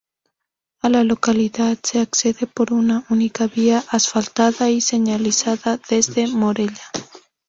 A la localidad se accede por una única vía, asfaltada y señalizada, desde Morella.